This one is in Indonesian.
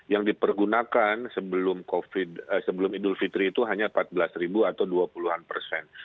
yang dipergunakan sebelum idul fitri itu hanya empat belas ribu atau dua puluh an persen